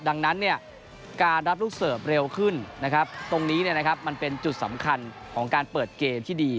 ดังนั้นการรับลูกเสิร์ฟเร็วขึ้นนะครับตรงนี้มันเป็นจุดสำคัญของการเปิดเกมที่ดี